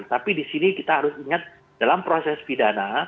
tapi disini kita harus ingat dalam proses pidana